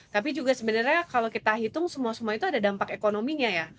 tapi juga sebenarnya kalau kita hitung semua semua itu ada dampak ekonominya ya